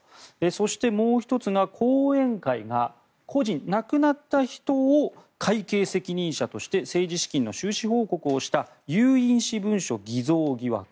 そして、もう１つが後援会が故人、亡くなった人を会計責任者として政治資金の収支報告をした有印私文書偽造疑惑。